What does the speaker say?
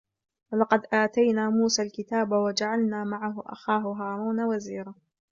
ولقد آتينا موسى الكتاب وجعلنا معه أخاه هارون وزيرا